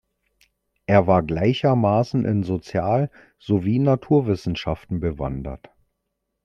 Er war gleichermaßen in Sozial- sowie Naturwissenschaften bewandert.